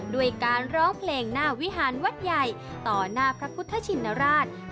ด้วยการร้องเพลงหน้าวิหารวัดใหญ่ต่อหน้าพระพุทธชินราช